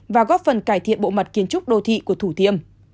và góp phần cải thiện bộ mặt kiến trúc đô thị của thủ thiêm